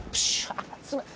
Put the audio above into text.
あっすいません